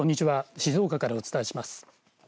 静岡からお伝えします。